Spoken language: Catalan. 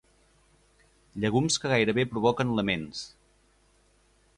Llegums que gairebé provoquen laments.